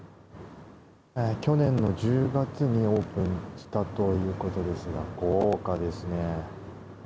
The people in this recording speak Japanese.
去年の１０月にオープンしたということですが豪華ですね。